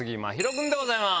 君でございます。